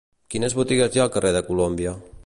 Quines botigues hi ha al carrer de Colòmbia?